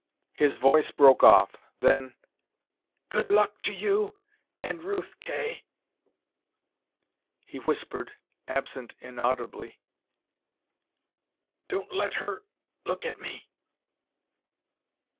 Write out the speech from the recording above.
His voice broke off. Then, "Good luck to you and Ruth, Kay," he whispered, absent inaudibly. "Don't let her look at me."